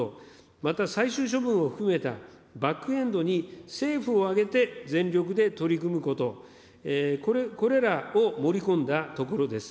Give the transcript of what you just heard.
また最終処分を含めたバックエンドに、政府を挙げて全力で取り組むこと、これらを盛り込んだところです。